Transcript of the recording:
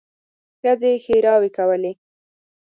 ښځې ښېراوې کولې.